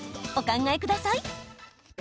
お考えください。